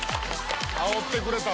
あおってくれた！